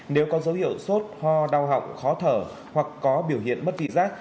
nếu có dấu hiệu sốt ho đau họng khó thở hoặc có biểu hiện mất vị giác